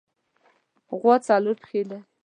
غوا څلور پښې لري.